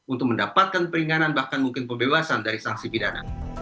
untuk mendapatkan peringanan bahkan mungkin pembebasan dari sanksi pidana